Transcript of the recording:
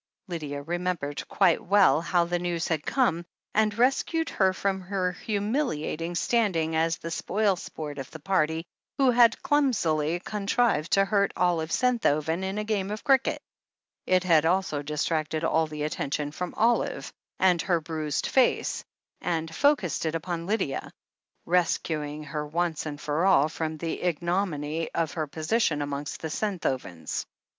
Lydia remembered quite well how the news had come, and rescued her from her humiliating standing as the spoil sport of the party, who had clumsily con trived to hurt Olive Senthoven in a game of cricket. It 420 THE HEEL OF ACHILLES had also distracted all the attention from Olive and her bruised face, and focussed it upon Lydia, rescuing her once and for all from the ignominy of her position amongst the Senthovens.